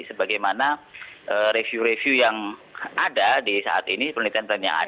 sebagaimana review review yang ada di saat ini penelitian penelitian